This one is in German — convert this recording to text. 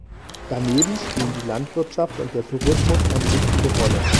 Daneben spielen die Landwirtschaft und der Tourismus eine wichtige Rolle.